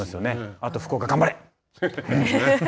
あと福岡頑張れ。